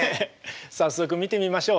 早速見てみましょう。